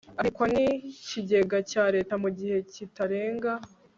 abikwa n ikigega cya leta mu gihe kitarenga